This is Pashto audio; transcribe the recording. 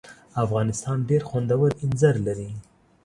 افغانستان ډېر خوندور اینځر لري.